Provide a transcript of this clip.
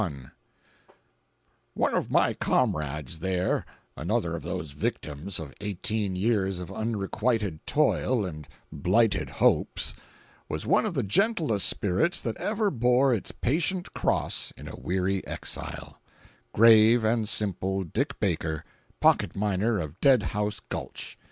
One of my comrades there—another of those victims of eighteen years of unrequited toil and blighted hopes—was one of the gentlest spirits that ever bore its patient cross in a weary exile: grave and simple Dick Baker, pocket miner of Dead House Gulch.